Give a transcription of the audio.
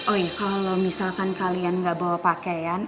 oh iya kalau misalkan kalian gak bawa pakaian